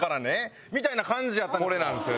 みたいな感じやったんですよ。